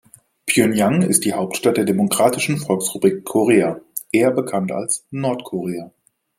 Pjöngjang ist die Hauptstadt der Demokratischen Volksrepublik Korea, eher bekannt als Nordkorea.